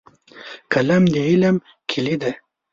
قلم د علم کیلي ده.